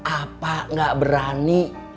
apa gak berani